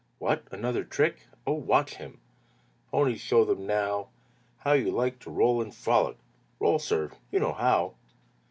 "What! Another trick! Oh, watch him!" "Pony, show them now How you like to roll and frolic; Roll, sir! You know how!"